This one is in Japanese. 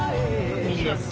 右です。